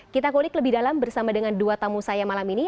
kita kulik lebih dalam bersama dengan dua tamu saya malam ini